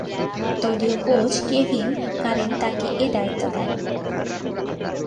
দলীয় coach Kevin Curran তাকে এ দায়িত্ব দেন।